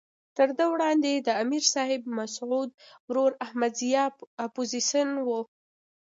تر ده وړاندې د امر صاحب مسعود ورور احمد ضیاء اپوزیسون وو.